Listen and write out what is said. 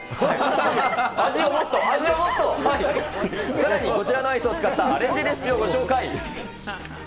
さらにこちらのアイスを使ったアレンジレシピをご紹介。